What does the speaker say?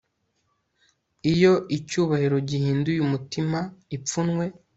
Iyo icyubahiro gihinduye umutima ipfunwe